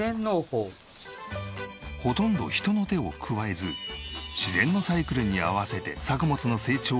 ほとんど人の手を加えず自然のサイクルに合わせて作物の成長を待つ農法。